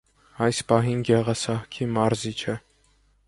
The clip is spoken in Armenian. Այս պահին գեղասահքի մարզիչ է։